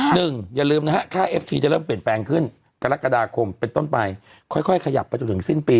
อย่าลืมนะฮะค่าเอฟทีจะเริ่มเปลี่ยนแปลงขึ้นกรกฎาคมเป็นต้นไปค่อยขยับไปจนถึงสิ้นปี